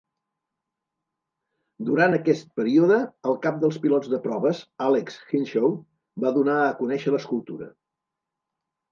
Durant aquest període, el cap dels pilots de proves, Alex Henshaw, va donar a conèixer l'escultura.